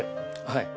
はい。